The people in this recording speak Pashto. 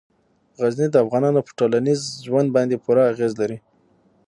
غزني د افغانانو په ټولنیز ژوند باندې پوره اغېز لري.